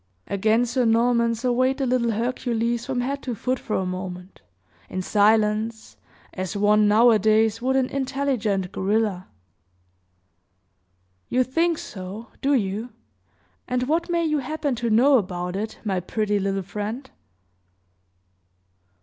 Again Sir Norman surveyed the little Hercules from head to foot for a moment, in silence, as one, nowadays, would an intelligent gorilla. "You think so do you? And what may you happen to know about it, my pretty little friend?"